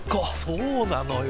そうなのよ。